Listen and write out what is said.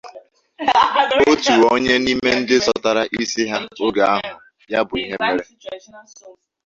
otu onye n'ime ndị zọtara isi ha oge ahụ ya bụ ihe mere